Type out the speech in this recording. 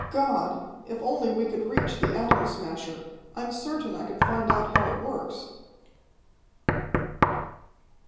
God, if only we could reach the Atom Smasher, I'm certain I could find out how it works!"